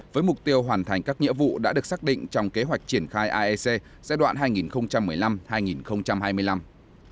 với mục tiêu hoàn thành các nhiệm vụ đã được xác định trong kế hoạch triển khai aec giai đoạn hai nghìn một mươi năm hai nghìn hai mươi năm